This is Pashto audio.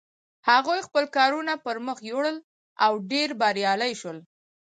هغوی خپل کارونه پر مخ یوړل او ډېر بریالي شول.